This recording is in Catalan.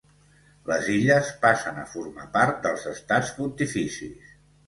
Les illes passen a formar part dels Estats Pontificis.